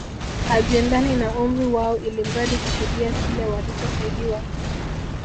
Haziendani na umri wao ilmradi kufidia kile walichosaidiwa